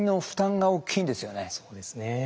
そうですね。